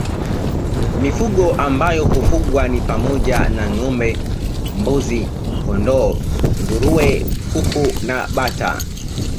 Mifugo ambayo hufugwa ni pamoja na ngâombe mbuzi kondoo nguruwe kuku na bata